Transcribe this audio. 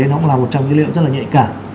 nó cũng là một trong những dữ liệu rất là nhạy cả